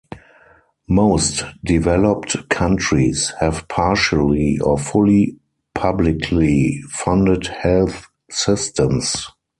Most developed countries have partially or fully publicly funded health systems.